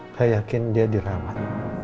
kayakin dia dirawat